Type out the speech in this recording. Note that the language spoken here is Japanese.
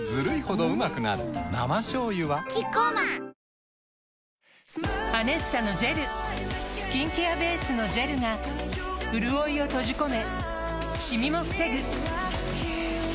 生しょうゆはキッコーマン「ＡＮＥＳＳＡ」のジェルスキンケアベースのジェルがうるおいを閉じ込め